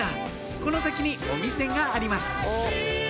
この先にお店があります